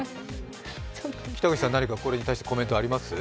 北口さん、何かこれに対してコメントあります？